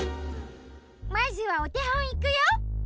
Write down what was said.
まずはおてほんいくよ。